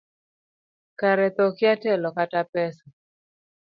Kara thoo kia telo kata pesa.